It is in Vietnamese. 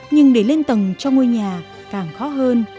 nhưng để lên tầng cho ngôi nhà càng khó hơn